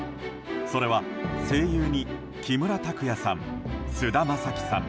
それは、声優に木村拓哉さん菅田将暉さん